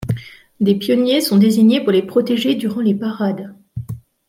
Des pionniers sont désignés pour les protéger durant les parades.